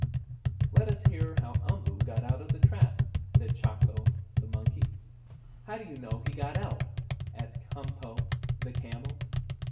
"Let us hear how Umboo got out of the trap," said Chako, the monkey. "How do you know he got out?" asked Humpo, the camel.